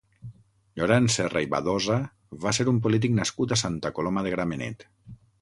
Llorenç Serra i Badosa va ser un polític nascut a Santa Coloma de Gramenet.